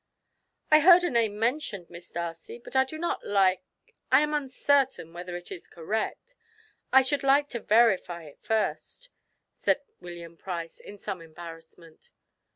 "I heard a name mentioned, Miss Darcy, but I do not like I am uncertain whether it is correct I should like to verify it first," said William Price, in some embarrassment.